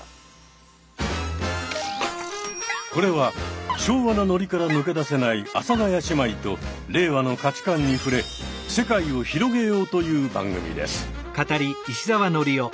これは昭和なノリから抜け出せない阿佐ヶ谷姉妹と令和の価値観に触れ世界を広げようという番組です。